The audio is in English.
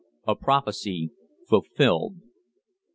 A PROPHECY FULFILLED.